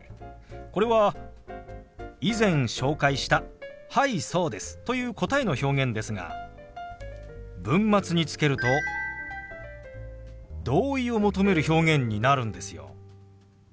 これは以前紹介した「はいそうです」という答えの表現ですが文末につけると同意を求める表現になるんですよ。